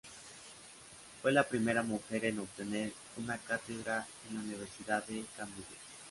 Fue la primera mujer en obtener una cátedra en la Universidad de Cambridge.